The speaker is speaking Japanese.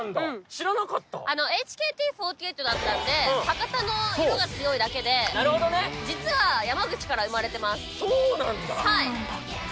知らなかったＨＫＴ４８だったんで博多の色が強いだけで実は山口から生まれてますそうなんだ